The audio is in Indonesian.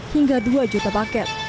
hingga dua ratus ribu